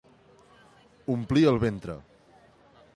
Omplir el ventre.